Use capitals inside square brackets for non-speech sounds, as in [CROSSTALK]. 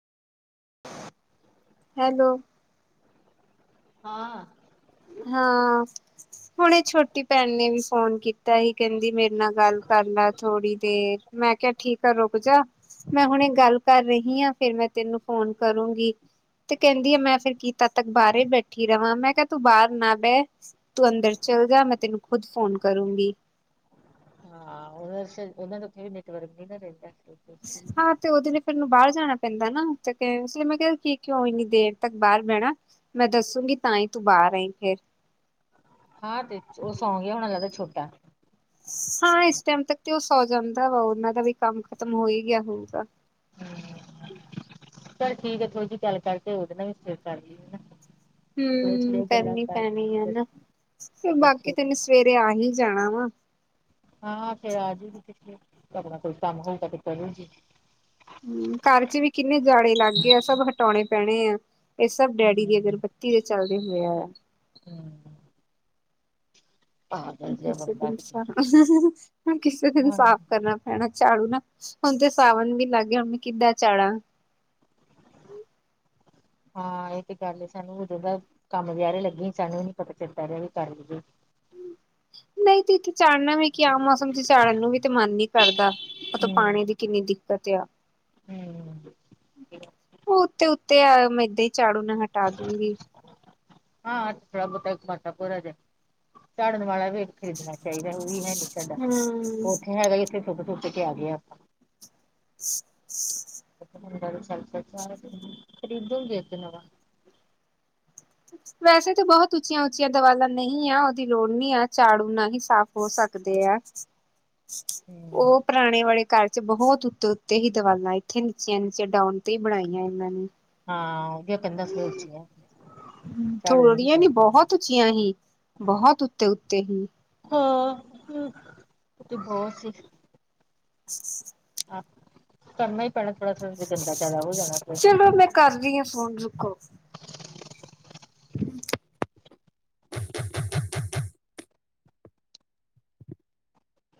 Hello ਹਾਂ ਹਾਂ ਹੁਣੇ ਛੋਟੀ ਭੈਣ ਨੇ ਵੀ ਫੋਨ ਕੀਤਾ ਸੀ। ਕਹਿੰਦੀ ਮੇ ਰੇ ਨਾਲ ਗੱਲ ਕਰ ਲੈ ਥੋੜੀ ਦੇਰ ਮੈਂ ਕਿਹਾ ਠੀਕ ਆ ਰੁਕ ਜਾ। ਮੈਂ ਹੁਣੇ ਗੱਲ ਕਰ ਰਹੀ ਹਾਂ। ਫੇਰ ਮੈਂ ਤੈਨੂੰ ਫੋਨ ਕਰੂੰਗੀ। ਤੇ ਕੇਂਦੀ ਆ ਮੈਂ ਫਿਰ ਕੀ ਤਦ ਤੱਕ ਬਾਰ ਹੀ ਬੈਠੀ ਰਵਾ ਮੈਂ ਕਿਹਾ ਤੂੰ ਬਾਰ ਨਾ ਬੈ ਤੂੰ ਅੰਦਰ ਚੱਲ ਜਾ ਮੈਂ ਤੈਨੂੰ ਖੁਦ ਫੋਨ ਕਰੂੰਗੀ। ਹਾਂ [UNINTELLIGIBLE] ਉਹਨਾਂ ਦਾ ਉੱਥੇ ਵੀ ਨੈਟਵਰਕ ਵੀ ਨਾ ਰੇਂਦਾ ਫਿਰ ਹਾਂ ਤੇ ਉ [UNINTELLIGIBLE] ਮੈਨੂੰ ਬਾਰ ਜਾਣਾ ਪੈਂਦਾ ਨਾ ਤੇ ਇਸ ਲਈ ਮੈਂ ਕਿਆ ਕਿ ਕਿਉਂ ਇੰਨੀ ਦੇਰ ਤੱਕ ਬਾਰ ਬੇਣਾ। ਮੈਂ ਦੱਸੂੰਗੀ ਤਾਂ ਈ ਤੂੰ ਬਾਰ ਆਈਂ ਫੇਰ। ਹਾਂ ਤੇ ਉਹ ਸੌਂਗ ਗਿਆ ਹੋਣਾ ਲੱਗ ਛੋਟਾ। ਹਾਂ ਇਸ ਟੈਮ ਤੱਕ ਤੇ ਉਹ ਸੌ ਜਾਂਦਾ ਵਾ ਉਨਾਂ ਦਾ ਵੀ ਕੰਮ ਖਤਮ ਹੋ ਹੀ ਗਿਆ ਹੋਊਗਾ। ਚੱਲ ਠੀਕ ਆ ਥੋੜੀ ਜੀ ਗੱਲ ਕਰਕੇ ਉਦੇ ਨਾਲ ਵੀ ਫਿਰ ਕਰ ਲਿਐ ਨਾ। ਹੂੰ ਕਰਨੀ ਪੈਣੀ ਐ ਕਰਕੇ ਨਾ, ਫਿਰ ਬਾਕੀ ਅੱਛਾ। ਤੇ ਮੈਂ ਸਵੇਰੇ ਆ ਹੀ ਜਾਣਾ ਵਾ। ਹਾਂ ਫਿਰ ਆਜੂਗੀ ਕਿੱਥੇ ਆਪਣਾ ਕੋਈ ਕੰਮ ਹੋਊਗਾ ਤੇ ਕਰੂਗੀ। ਕਾਰ ਚ ਵੀ ਕਿੰਨੇ ਜਾਲੇ ਲੱਗ ਗੇ ਆ ਸਭ ਹਟਾਉਣੇ ਪੈਣੇ ਆ ਇਹ ਸਭ ਡੈਡੀ ਦੇ ਅਗਰ ਹੂੰ। ਧੀਰੇ ਚੱਲਦੇ ਹੋਏ ਆ। [INAUDIBLE] ਪਾਗਲ ਜਿਹਾ ਕਿਸੇ ਬੰਦਾ ਦਿਨ ਕਿਤੇ। ਸਾ, ਕਿਸੇ ਦਿਨ ਹਾਂ ਸਾਫ਼ ਕਰਨਾ। ਹਨਾ ਚਾੜੂ ਨਾ ਹੁਣ ਤੇ ਸਾਵਣ ਵੀ ਲੱਗ ਗਿਆ ਹੁਣ ਮੈਂ ਕਿੱਦਾਂ ਚਾੜਾ। ਹਾਂ ਇਹ ਤੇ ਗੱਲ ਏ ਸਾਨੂੰ ਉਦੋਂ ਦਾ ਕੰਮ ਵਿਆਰੇ ਲੱਗੇ ਸਾਨੂੰ ਨੀ ਪਤਾ ਚੱਲਦਾ ਰਿਆ ਵੀ ਕਰ ਲਈਏ। ਨਈ ਤੇ ਇੱਥੇ ਚਾੜਨਾ ਵੀ ਕਿ ਆਮ ਮੌਸਮ ਚ ਚਾੜ੍ਹਨ ਨੂੰ ਵੀ ਤੇ ਮਨ ਨੀ ਕਰਦਾ ਮੰਤਵ ਹੂੰ ਪਾਨੀ ਦੀ ਕਿੰਨੀ ਦਿੱਕਤ ਏਆ। [INAUDIBLE] ਉਹ ਉੱਤੇ-ਉੱਤੇ ਐ ਮੈਂ ਏਦਾਂ ਹੀ ਝਾੜੂ ਨਾ ਹਟਾ ਦੂਗੀ। ਹਾਂ [UNINTELLIGIBLE] ਝਾੜਨ ਵਾਲਾ ਵੀ ਖਰੀਦਣਾ ਚਾਈਦਾ, ਉਹੀ ਵੀ ਹੈ ਨੀ ਸਾਡਾ ਹੂੰ। ਉੱਥੇ ਹੈਗਾ ਇੱਥੇ ਸੁੱਟ-ਸੁੱਟ ਕੇ ਆ ਗਏ ਆਪਾਂ। [INAUDIBLE] [UNINTELLIGIBLE] ਵੈਸੇ ਤਾਂ ਬੋਹਤ ਉੱਚੀਆਂ-ਉੱਚੀਆਂ ਦਵਾਲਾਂ ਨਹੀ ਐ, ਓਦੀ ਲੋੜ ਨੀ ਐ ਝਾੜੂ ਨਾਲ ਹੀ ਸਾਫ਼ ਹੋ ਸਕਦੇ ਆ। ਓ ਪੁਰਾਣੇ ਵਾਲੇ ਘਰ ਚ ਬੋਹਤ ਉੱਤੇ-ਉੱਤੇ ਹੀ ਦਵਾਲਾ, ਇੱਥੇ ਨੀਚਿਆਂ-ਨੀਚੀਆਂ ਡਾਉਣ ਤੇ ਹੀ ਬਣਾਈਆ ਇਨਾ ਨੇ। ਹਾਂ [UNINTELLIGIBLE] ਝਾੜੂ ਨਹੀਂ ਥੋੜੀਆਂ ਨੀ ਪਾਉਂਦੀ। ਬੋਹਤ ਉੱਚੀਆਂ ਹੀ, ਬੋਹਤ ਉੱਤੇ-ਉੱਤੇ ਹੀ। ਹਾਂ [UNINTELLIGIBLE] [INAUDIBLE] ਹਾਂ, ਕਰਨਾ ਹੀ ਪੈਣਾ ਥੋੜਾ-ਥੋੜਾ ਜਾ ਗੰਦਾ ਵਾ ਜਾਦਾ ਹੋ ਜਾਣਾ ਫੇਰ। ਕਰਦੀ ਆ ਫੋਨ ਰੁਕੋ। [INAUDIBLE]